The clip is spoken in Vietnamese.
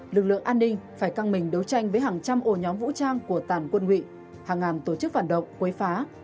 lực lượng an ninh phải căng mình đấu tranh với hàng trăm ổ nhóm vũ trang của tàn quân ngụy hàng ngàn tổ chức phản động quấy phá